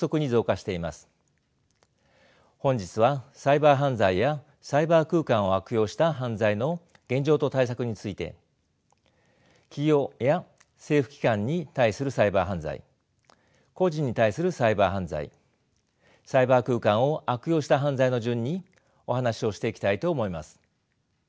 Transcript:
本日はサイバー犯罪やサイバー空間を悪用した犯罪の現状と対策について企業や政府機関に対するサイバー犯罪個人に対するサイバー犯罪サイバー空間を悪用した犯罪の順にお話をしていきたいと思います。